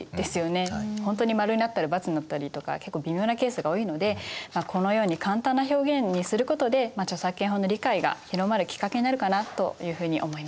本当に○になったり×になったりとか結構微妙なケースが多いのでこのように簡単な表現にすることで著作権法の理解が広まるきっかけになるかなというふうに思います。